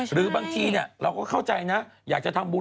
หรือบางทีเราก็เข้าใจนะอยากจะทำบุญ